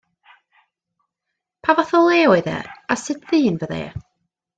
Pa fath o le oedd e, a sut ddyn fyddai e?